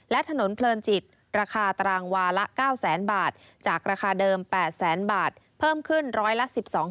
และถนนเพลินจิตราคาตรางวาละ๙แสนบาทจากราคาเดิม๘แสนบาทเพิ่มขึ้นร้อยละ๑๒